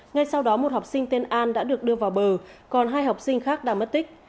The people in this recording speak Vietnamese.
ngay sau đó một học sinh tên an đã được đưa vào bờ còn hai học sinh khác đang mất tích